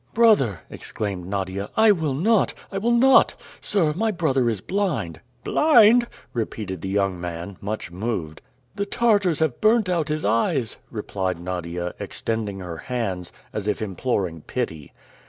"Brother," exclaimed Nadia, "I will not! I will not! Sir, my brother is blind!" "Blind!" repeated the young man, much moved. "The Tartars have burnt out his eyes!" replied Nadia, extending her hands, as if imploring pity.